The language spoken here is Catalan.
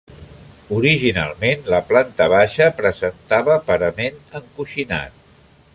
Originalment la planta baixa presentava parament encoixinat.